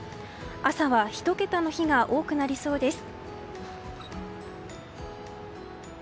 朝は１桁の日が多くなりそうです。